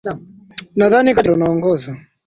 Ungekuja kwangu unywe maji.